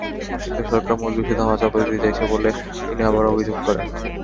কিন্তু সরকার মূল বিষয় ধামাচাপা দিতে চাইছে বলে তিনি আবারও অভিযোগ করেন।